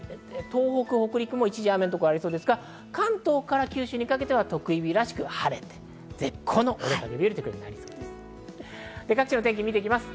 東北、北陸も一時雨のところありそうですが、関東から九州にかけては特異日らしく晴れて、絶好のお出かけ日和となりそうです。